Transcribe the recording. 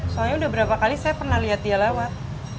soalnya udah berapa kali saya pernah liat dia lawat